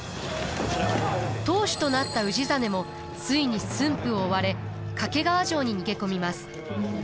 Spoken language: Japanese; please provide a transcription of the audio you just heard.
当主となった氏真もついに駿府を追われ掛川城に逃げ込みます。